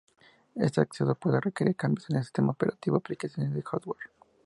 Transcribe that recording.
Este acceso puede requerir cambios en el sistema operativo, aplicaciones y hardware.